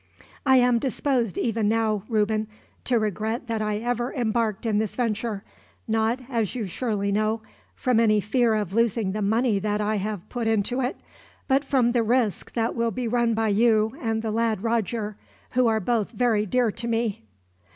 "I am disposed even now, Reuben, to regret that I ever embarked in this venture not, as you surely know, from any fear of losing the money that I have put into it, but from the risk that will be run by you and the lad Roger, who are both very dear to me."